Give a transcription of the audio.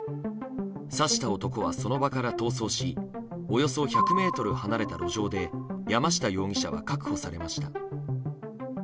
刺した男は、その場から逃走しおよそ１００ｍ離れた路上で山下容疑者は確保されました。